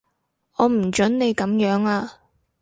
我唔準你噉樣啊